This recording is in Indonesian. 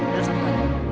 dan satu lagi